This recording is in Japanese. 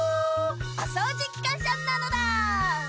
おそうじきかんしゃなのだ！